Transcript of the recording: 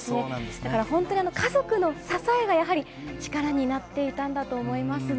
だから本当に家族の支えがやはり、力になっていたんだと思いますね。